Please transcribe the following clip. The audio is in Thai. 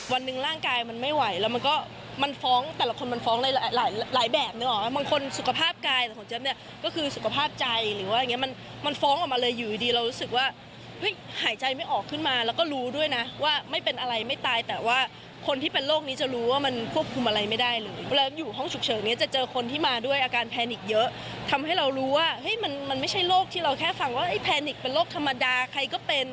วันนึงร่างกายมันไม่ไหวแล้วมันก็มันฟ้องแต่ละคนมันฟ้องหลายแบบนึกออกว่ามันคนสุขภาพกายแต่ของเจ้าเนี่ยก็คือสุขภาพใจหรือว่าอย่างเงี้ยมันมันฟ้องออกมาเลยอยู่ดีเรารู้สึกว่าเฮ้ยหายใจไม่ออกขึ้นมาแล้วก็รู้ด้วยนะว่าไม่เป็นอะไรไม่ตายแต่ว่าคนที่เป็นโรคนี้จะรู้ว่ามันควบคุมอะไรไม่ได้เลย